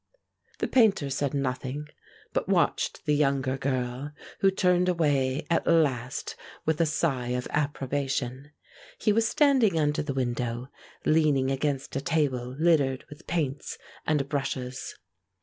The Painter said nothing, but watched the younger girl, who turned away at last with a sigh of approbation. He was standing under the window, leaning against a table littered with paints and brushes.